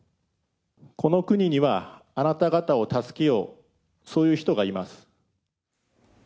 この国にはあなた方を助けよう、そういう人がいます。